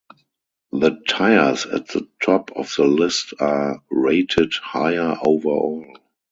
The tires at the top of the list are rated higher overall.